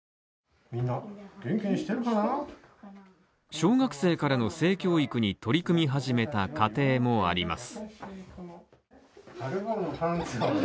小学生からの性教育に取り組み始めた家庭もあります